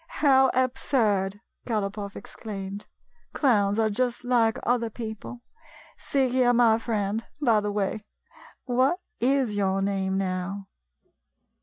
" How absurd !" Galopoff exclaimed. " Clowns are just like other people. See here, my friend — by the way, what is your name now?"